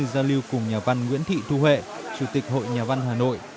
giao lưu cùng nhà văn nguyễn thị thu hệ chủ tịch hội nhà văn hà nội